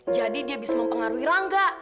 jadi dia bisa mempengaruhi rangga